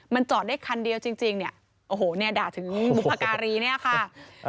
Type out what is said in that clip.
มันจอดได้คันเดียวจริงเนี่ยโอ้โหเนี่ยด่าถึงบุพการีเนี่ยค่ะ